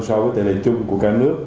so với tỉ lệ chung của cả nước